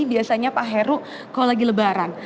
biasanya pak heru kalau lagi lebaran